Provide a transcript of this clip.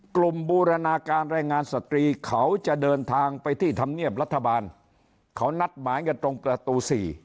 บูรณาการแรงงานสตรีเขาจะเดินทางไปที่ธรรมเนียบรัฐบาลเขานัดหมายกันตรงประตู๔